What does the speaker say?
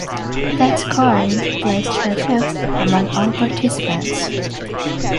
That scoring placed her fifth among all participants.